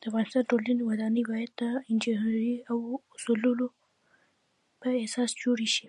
د افغانستان ټولی ودانۍ باید د انجنيري اوصولو په اساس جوړې شی